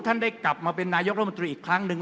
ท่านได้กลับมาเป็นนายกรัฐมนตรีอีกครั้งหนึ่ง